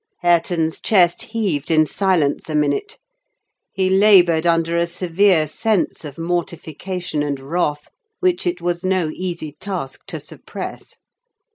Hareton's chest heaved in silence a minute: he laboured under a severe sense of mortification and wrath, which it was no easy task to suppress.